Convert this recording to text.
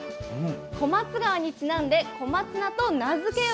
「小松川にちなんで小松菜と名付けよ」。